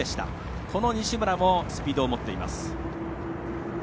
この西村もスピードを持っています。